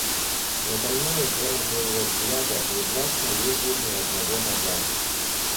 Надо мною, кроме твоего взгляда, не властно лезвие ни одного ножа.